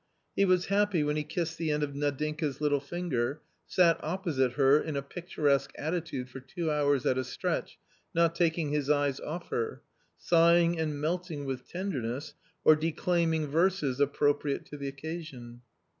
He was happy when he kissed the end of Nadinka's little finger, sat opposite her in a picturesque attitude for two hours at a stretch, not taking his eyes off her, sighing and melting with tenderness, or declaiming verses appropriate to the occasion.